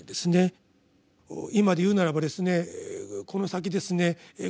今で言うならばですねこの先ですね